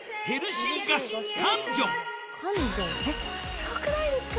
すごくないですか？